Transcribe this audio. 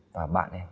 và bạn em